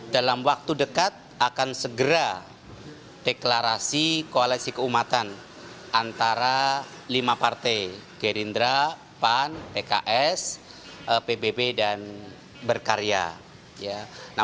dalam waktu dekat akan segera deklarasi koalisi keumatan antara lima partai gerindra pan pks pbb dan berkarya